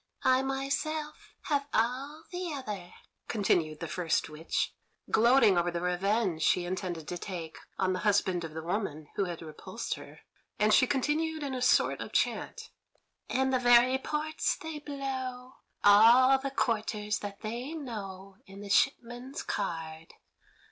"I myself have all the other," continued the first witch, gloating over the revenge she intended to take on the husband of the woman who had repulsed her, and she continued in a sort of chant: "And the very ports they blow, All the quarters that they know In the shipman's card.